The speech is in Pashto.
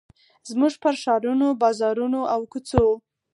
زموږ پر ښارونو، بازارونو، او کوڅو